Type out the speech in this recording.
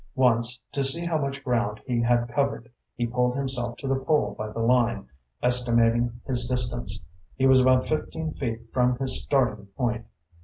Once, to see how much ground he had covered, he pulled himself to the pole by the line, estimating his distance. He was about fifteen feet from his starting point.